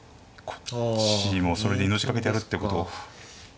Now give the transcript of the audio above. こっちもそれで命懸けでやるってこと？